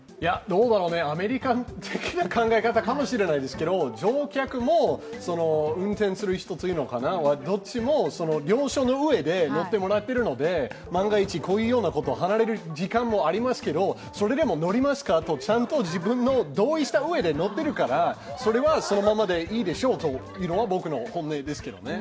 アメリカ的な考え方かもしれないですけど、乗客も、運転する人、どっちも了承のうえで乗ってもらっているので、万が一こういうような離れる時間もありますが、それでも乗りますかとちゃんと自分の、同意したうえで乗っているから、それはそのままでいいでしょうというのが本音ですけどね。